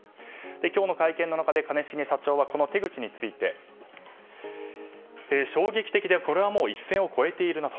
今日の会見の中で、兼重社長はこの手口について、衝撃的でこれは一線を越えているなと。